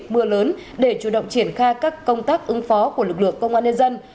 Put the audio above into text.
mưa lớn để chủ động triển khai các công tác ứng phó của lực lượng công an nhân dân